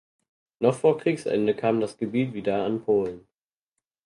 Noch vor Kriegsende kam das Gebiet wieder an Polen.